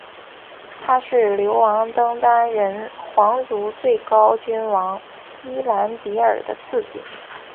他是流亡登丹人皇族最高君王伊兰迪尔的次子。